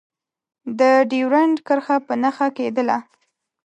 د ډیورنډ کرښه په نښه کېدله.